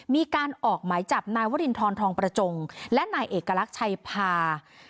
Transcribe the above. มีการออกหมายจับนายวรินทรทองประจงและนายเอกลักษณ์ชัยพา